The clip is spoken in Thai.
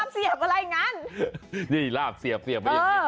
เสียบอะไรลาบเสียบอะไรงั้น